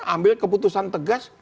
ambil keputusan tegas